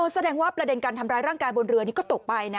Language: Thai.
แสดงว่าประเด็นการทำร้ายร่างกายบนเรือนี่ก็ตกไปนะ